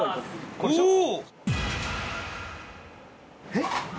えっ！？